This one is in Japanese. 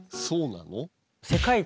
そうなの？